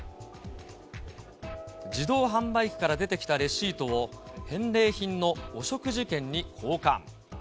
自動販売機から出てきたレシートを返礼品のお食事券に交換。